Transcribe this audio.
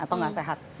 atau gak sehat